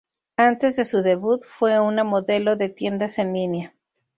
Antes de su debut, fue una modelo de tiendas en línea.